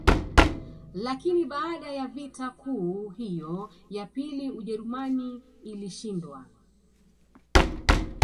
Lakini baada ya vita kuu hiyo ya pili Ujerumani ilishindwa